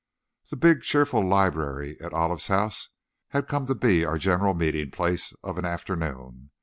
The big, cheerful library at Olive's house had come to be our general meeting place of an afternoon.